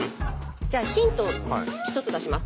じゃあヒントを一つ出します。